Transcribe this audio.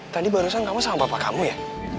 tadi barusan kamu sama bapak kamu ya